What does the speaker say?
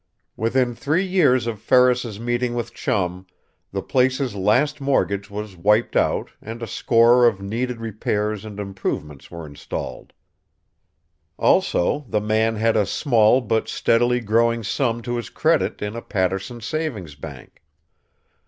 Within three years of Ferris's meeting with Chum the place's last mortgage was wiped out and a score of needed repairs and improvements were installed. Also the man had a small but steadily growing sum to his credit in a Paterson savings bank.